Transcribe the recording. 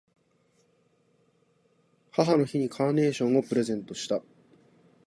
母の日にカーネーションをプレゼントした。